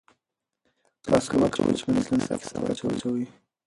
تاسو مه کوئ چې په فصلونو کې کثافات واچوئ.